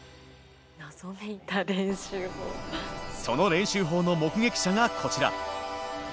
その練習法の目撃者がこちら。